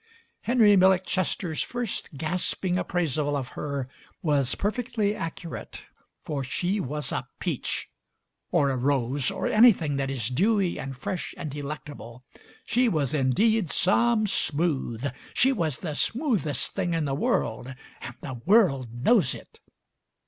Henry Millick Chester's first gasping appraisal of her was perfectly accurate, for she was a peach — or a rose, or anything that is dewy and fresh and delectable. She was indeed some smooth. She was the smoothest tiling in the world, and the world knows it!